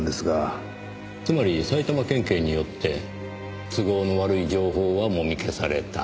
つまり埼玉県警によって都合の悪い情報はもみ消された。